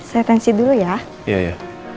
saya tensi dulu ya